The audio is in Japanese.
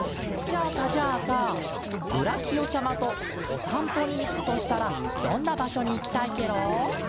じゃあさじゃあさブラキオちゃまとおさんぽにいくとしたらどんなばしょにいきたいケロ？